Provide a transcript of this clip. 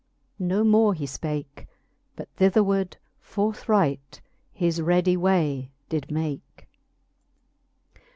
No more he Ipake, But thitherward forthright his ready way did make.